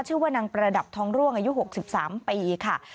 ชื่อว่านางประดับทองร่วงอายุ๖๓ปีค่ะ